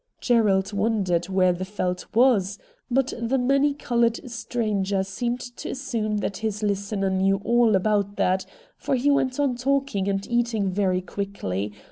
Gerald wondered where the Veldt was, but the many coloured stranger seemed to assume that his listener knew all about that, for he THE MAA FROM AFAR 39 went on talking and eating very quickly.